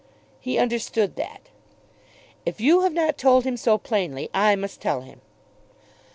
"He understood that." "If you have not told him so plainly, I must tell him."